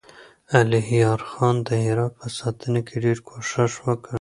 الهيار خان د هرات په ساتنه کې ډېر کوښښ وکړ.